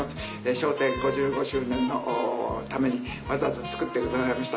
『笑点』５５周年のためにわざわざ作ってくださいました。